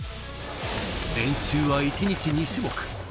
練習は一日２種目。